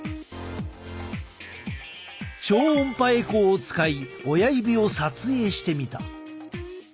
超音波エコーを使い親指を撮影してみた。